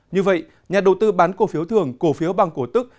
như vậy nhà đầu tư bán cổ phiếu thưởng cổ phiếu bằng cổ tức